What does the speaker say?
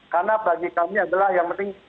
karena bagi kami adalah yang penting